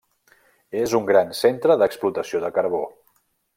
És un gran centre d'explotació de carbó.